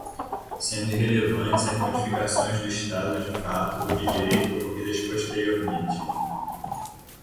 sendo irrelevantes as modificações do estado de fato ou de direito ocorridas posteriormente